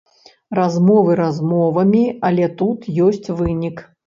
Размовы размовамі, але тут ёсць вынік.